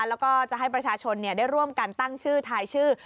แล้วก็จะให้ประชาชนได้ร่วมกันตั้งชื่อทายชื่อ